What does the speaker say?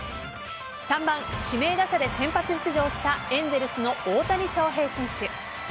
３番・指名打者で先発出場したエンゼルスの大谷翔平選手。